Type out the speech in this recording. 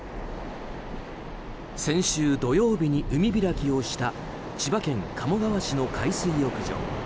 先週、土曜日に海開きをした千葉県鴨川市の海水浴場。